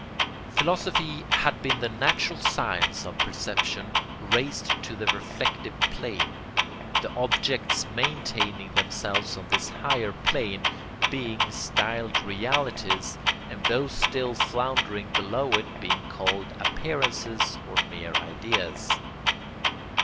Philosophy had been the natural science of perception raised to the reflective plane, the objects maintaining themselves on this higher plane being styled realities, and those still floundering below it being called appearances or mere ideas.